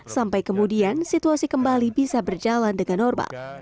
sampai kemudian situasi kembali bisa berjalan dengan normal